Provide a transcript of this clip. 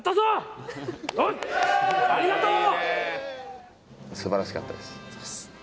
ありがとう！